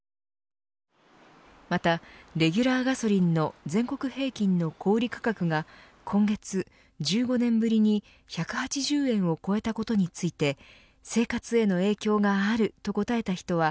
またレギュラーガソリンの全国平均の小売価格が今月、１５年ぶりに１８０円を超えたことについて生活への影響があると答えた人は